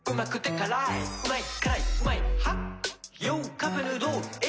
カップヌードルえ？